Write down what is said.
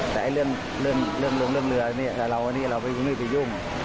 แต่เรื่องเรือเราไปยุ่งไม่ไปยุ่ง